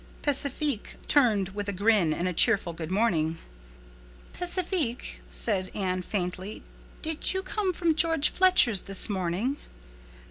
Pacifique turned with a grin and a cheerful good morning. "Pacifique," said Anne faintly, "did you come from George Fletcher's this morning?"